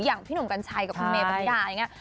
อย่างพี่หนุ่มกัญชัยกับคุณเมปฏิดาอย่างนี้